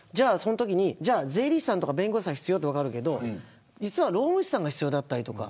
税理士さんとか弁護士さんが必要なのは分かるけど労務士さんが必要だったり。